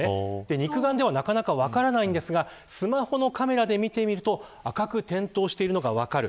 肉眼ではなかなか分からないんですがスマホのカメラで見てみると赤く点灯しているのが分かる。